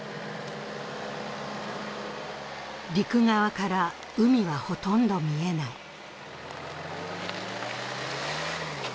陸側から海は、ほとんど見えない。